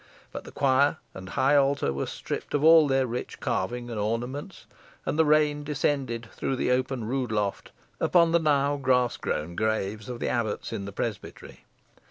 But the choir and high altar were stripped of all their rich carving and ornaments, and the rain descended through the open rood loft upon the now grass grown graves of the abbots in the presbytery.